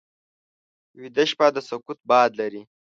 ویده شپه د سکوت باد لري